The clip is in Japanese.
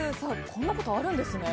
こんなことあるんですね。